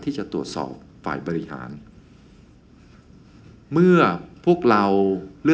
ที่จะตรวจสอบฝ่ายบริหาร